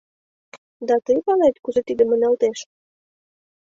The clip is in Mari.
Да тый палет, кузе тиде маналтеш?